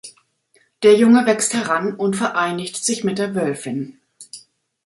Der Junge wächst heran und vereinigt sich mit der Wölfin.